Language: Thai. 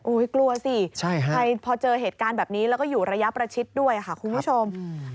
กลัวสิใครพอเจอเหตุการณ์แบบนี้แล้วก็อยู่ระยะประชิดด้วยค่ะคุณผู้ชม